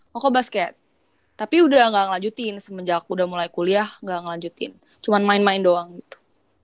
loko basket tapi udah gak ngelanjutin semenjak udah mulai kuliah gak ngelanjutin cuma main main doang gitu